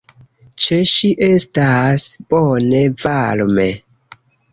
Ĉe ŝi estas bone, varme.